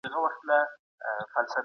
وای کړې؛ ځکه له هغې څخه سیاسي تعبیرونه